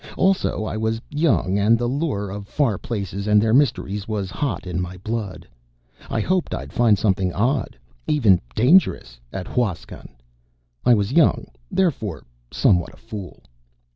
Also, I was young and the lure of far places and their mysteries was hot in my blood. I hoped I'd find something odd even dangerous at Huascan. I was young. Therefore, somewhat of a fool....